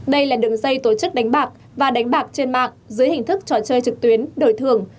đây là đường dây tổ chức đánh bạc và đánh bạc trên mạng dưới hình thức trò chơi trực tuyến đổi thường